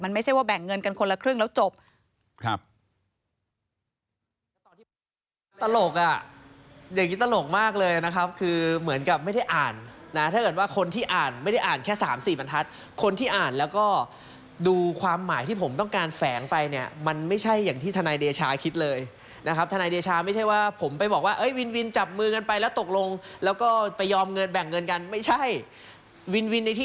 ไม่ใช่ว่าแบ่งเงินกันคนละครึ่งแล้วจบ